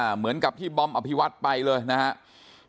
เหมือนกับที่บอมอภิวัตไปเลยนะครับ